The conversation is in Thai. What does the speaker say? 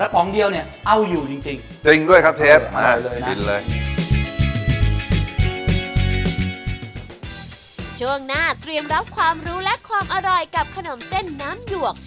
ช่วงหน้าเตรียมรับความรู้และความอร่อยกับขนมเส้นน้ำหยวก